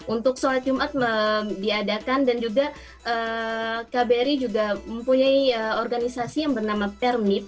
untuk sholat jumat diadakan dan juga kbri juga mempunyai organisasi yang bernama permib